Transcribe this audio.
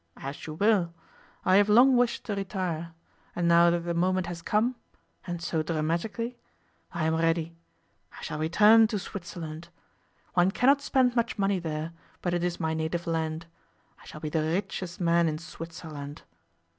'As you will. I have long wished to retire. And now that the moment has come and so dramatically I am ready. I shall return to Switzerland. One cannot spend much money there, but it is my native land. I shall be the richest man in Switzerland.